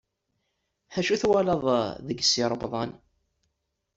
Acu i twalaḍ deg Si Remḍan?